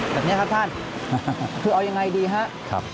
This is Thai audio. แบบนี้ครับท่านคือเอายังไงดีครับ